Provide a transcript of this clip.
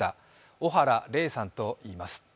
小原玲さんといいます。